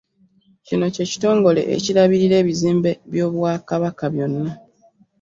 Kino kye kitongole ekirabirira ebizimbe by'obwakabaka byonna.